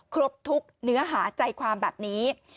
ครบทุกเนื้อหาใจความแบบนี้